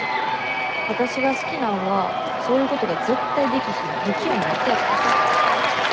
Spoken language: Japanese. わたしが好きなんはそういうことが絶対できひん不器用なあいつやからさ。